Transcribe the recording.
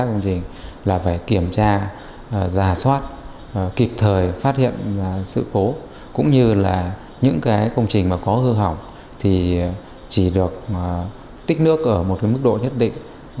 các công trình là phải kiểm tra ra soát kịp thời phát hiện sự phố cũng như là những công trình có hư hỏng thì chỉ được tích nước ở một mức độ nhất định